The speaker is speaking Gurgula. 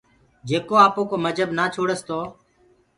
جيڪو آپوڪو مجهب نآ ڇوڙس تو